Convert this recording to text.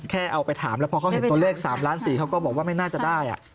เอาไปถามแล้วพอเขาเห็นตัวเลข๓ล้าน๔เขาก็บอกว่าไม่น่าจะได้